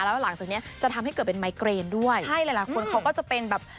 แล้วหลังจากเนี้ยจะทำให้เกิดเป็นไมเกรนด้วยใช่หลายคนเขาก็จะเป็นแบบ